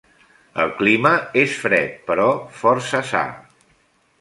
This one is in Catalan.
El clima hi és fred, però força sa.